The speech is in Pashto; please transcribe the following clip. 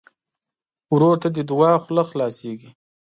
ورور ته د دعا خوله خلاصيږي.